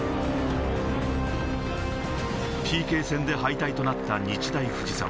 ＰＫ戦で敗退となった日大藤沢。